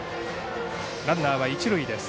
ランナーは一塁です。